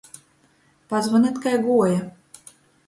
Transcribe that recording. Pazvonit, kai guoja!